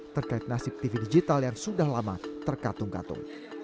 terkait nasib tv digital yang sudah lama terkatung katung